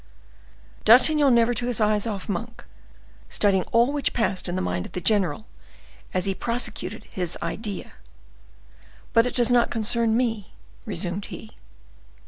D'Artagnan never took his eyes off Monk; studying all which passed in the mind of the general, as he prosecuted his idea. "But it does not concern me," resumed he.